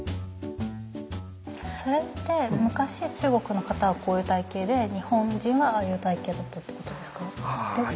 それって昔中国の方はこういう体型で日本人はああいう体型だったっていうことですか？